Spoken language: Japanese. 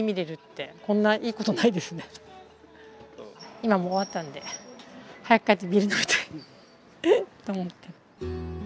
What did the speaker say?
今もう終わったんで早く帰ってビール飲みたいと思って。